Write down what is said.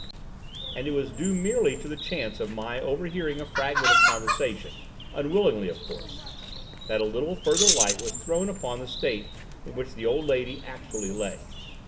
And it was due merely to the chance of my overhearing a fragment of conversation—unwillingly, of course—that a little further light was thrown upon the state in which the old lady actually lay.